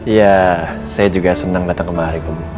iya saya juga senang datang kemarin bu